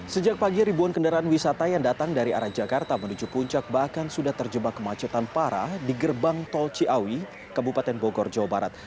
sejak pagi ribuan kendaraan wisata yang datang dari arah jakarta menuju puncak bahkan sudah terjebak kemacetan parah di gerbang tol ciawi kabupaten bogor jawa barat